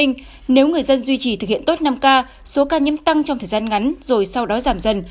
nếu người dân duy trì thực hiện tốt năm k số ca nhiễm tăng trong thời gian ngắn rồi sau đó giảm dần